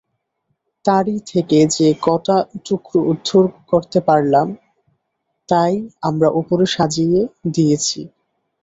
তারই থেকে যে-কটা টুকরো উদ্ধার করতে পারলুম তাই আমরা উপরে সাজিয়ে দিয়েছি।